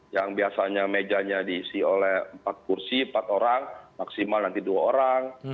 yang biasanya mejanya diisi oleh empat kursi empat orang maksimal nanti dua orang